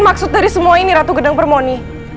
maksud dari semua ini ratu gedang permoni